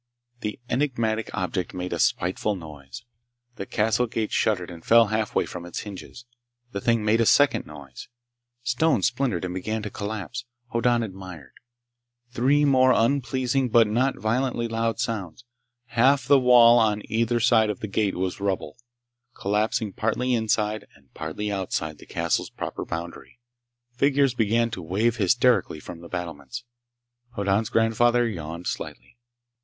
The enigmatic object made a spiteful noise. The castle gate shuddered and fell halfway from its hinges. The thing made a second noise. Stones splintered and began to collapse. Hoddan admired. Three more unpleasing but not violently loud sounds. Half the wall on either side of the gate was rubble, collapsing partly inside and partly outside the castle's proper boundary. Figures began to wave hysterically from the battlements. Hoddan's grandfather yawned slightly.